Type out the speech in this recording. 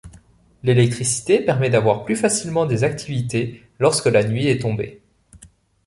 L'électricité permet d'avoir plus facilement des activités lorsque la nuit est tombée.